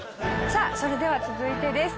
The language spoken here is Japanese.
さあそれでは続いてです。